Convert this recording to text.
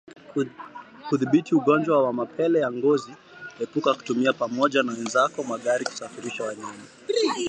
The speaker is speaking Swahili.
Kudhibiti ugonjwa wa mapele ya ngozi epuka kutumia pamoja na wenzako magari kusafirishia wanyama